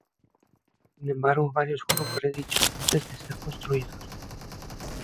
Sin embargo varios fueron predichos antes de ser construidos.